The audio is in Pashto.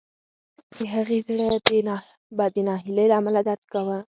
د هغې زړه به د ناهیلۍ له امله درد کاوه